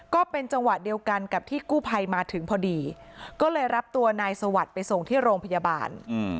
ก็เป็นจังหวะเดียวกันกับที่กู้ภัยมาถึงพอดีก็เลยรับตัวนายสวัสดิ์ไปส่งที่โรงพยาบาล